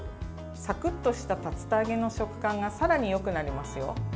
サクッとした竜田揚げの食感がさらによくなりますよ。